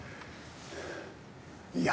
いや。